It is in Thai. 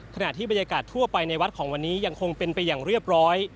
ขณะที่บรรยากาศทั่วไปในวัดของวันนี้ยังคงเป็นไปอย่างเรียบร้อย